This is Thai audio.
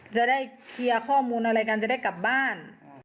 จะได้เคลียร์ข้อมูลอะไรกันจะได้กลับบ้าน